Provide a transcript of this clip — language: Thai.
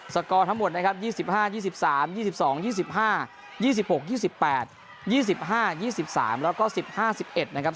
กอร์ทั้งหมดนะครับ๒๕๒๓๒๒๒๕๒๖๒๘๒๕๒๓แล้วก็๑๕๑๑นะครับ